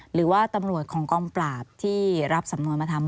หรือว่าตำรวจของกองปราบที่รับสำนวนมาทำ